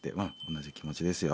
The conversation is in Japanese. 同じ気持ちですよ。